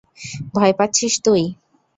ভয় পাচ্ছিস তুই?